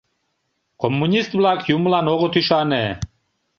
Коммунист-влак юмылан огыт ӱшане.